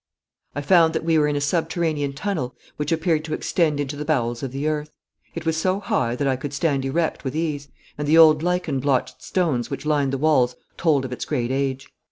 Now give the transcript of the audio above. I found that we were in a subterranean tunnel, which appeared to extend into the bowels of the earth. It was so high that I could stand erect with ease, and the old lichen blotched stones which lined the walls told of its great age.